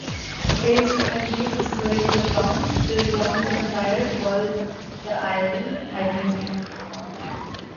Based on these historical accounts, the Roman Empire called the island "Hibernia".